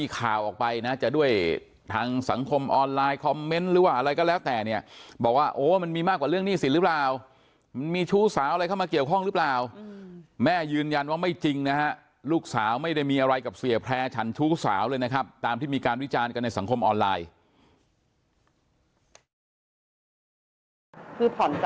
ข่าวออกไปนะจะด้วยทางสังคมออนไลน์คอมเมนต์หรือว่าอะไรก็แล้วแต่เนี่ยบอกว่าโอ้มันมีมากกว่าเรื่องหนี้สินหรือเปล่ามันมีชู้สาวอะไรเข้ามาเกี่ยวข้องหรือเปล่าแม่ยืนยันว่าไม่จริงนะฮะลูกสาวไม่ได้มีอะไรกับเสียแพร่ฉันชู้สาวเลยนะครับตามที่มีการวิจารณ์กันในสังคมออนไลน์